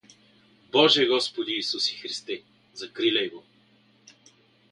Боже господи Исусе Христе, закриляй го!